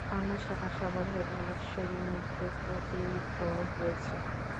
অন্য শাখা সাভার হয়ে ধলেশ্বরী নদীতে পতিত হয়েছে।